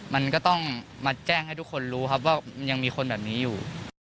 มันก็ต้องมาแจ้งให้ทุกคนรู้ครับว่ามันยังมีคนแบบนี้อยู่